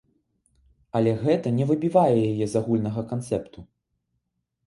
Але гэта не выбівае яе з агульнага канцэпту.